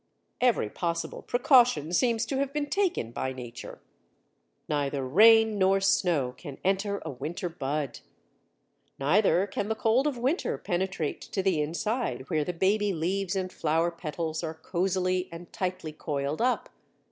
Every possible precaution seems to have been taken by nature. Neither rain nor snow can enter a winter bud. Neither can the cold of winter penetrate to the inside where the baby leaves and flower petals are cosily and tightly coiled up.